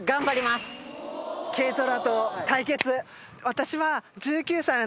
私は。